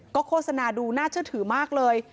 โฆษณาดูน่าเชื่อถือมากเลย